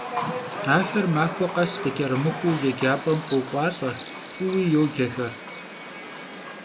Axer maxue khes, khıç'erımıxuu, yêcap'em khok'ualh'e, f'ıui yocexer.